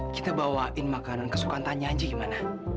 kita bawain makanan kesukaan tanya aja gimana